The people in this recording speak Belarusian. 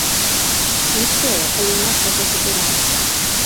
Ліцэя, калі ў нас яго забіралі.